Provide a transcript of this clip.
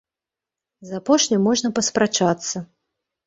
З апошнім можна паспрачацца.